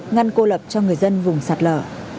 ngăn cô lập cho người dân vùng sạt lở